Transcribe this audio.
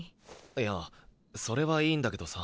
いやそれはいいんだけどさ。